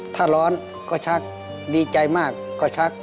ถ้าร้อนก็ชักดีใจมากก็ชัก